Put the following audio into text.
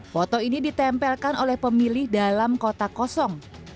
foto ini ditempelkan oleh pemilih dalam kotak kosong